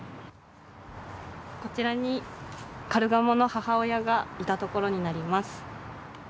こちらにカルガモの母親がいた所になります。